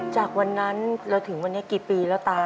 จากวันนั้นเราถึงวันนี้กี่ปีแล้วตา